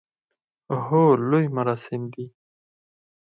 هو، لوی مراسم دی